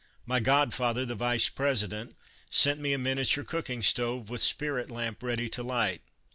My god father, the Vice President, sent me a min iature cooking stove with spirit lamp ready to light.